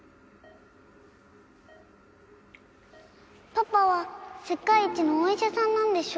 パパは世界一のお医者さんなんでしょ？